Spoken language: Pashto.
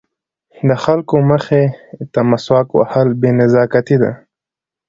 د خلکو مخې ته مسواک وهل بې نزاکتي ده.